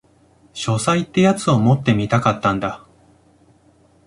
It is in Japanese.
書斎ってやつを持ってみたかったんだ